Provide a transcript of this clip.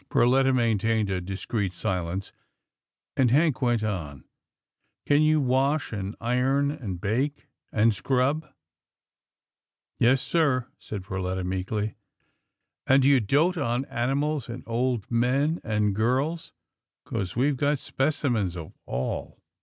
Perletta maintained a discreet silence, and Hank went on, " Can you wash and iron, and bake, and scrub?" " Yes, sir," said Perletta meekly. " And do you dote on animals and old men, and girls — 'cause we've got specimens of all."